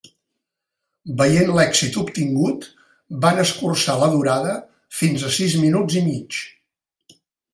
Veient l'èxit obtingut, van escurçar la durada fins a sis minuts i mig.